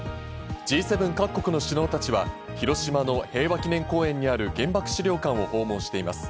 Ｇ７各国の首脳たちは広島の平和記念公園にある原爆資料館を訪問しています。